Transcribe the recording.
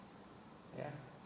pak ada masalah dengan bwf